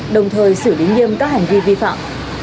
đồng thời xử lý nghiêm các hành vi vi phạm